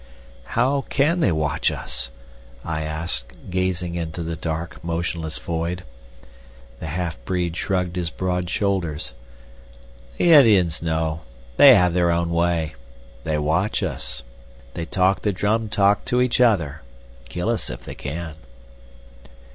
"How can they watch us?" I asked, gazing into the dark, motionless void. The half breed shrugged his broad shoulders. "The Indians know. They have their own way. They watch us. They talk the drum talk to each other. Kill us if they can."